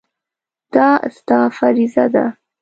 دا ستا فریضه ده.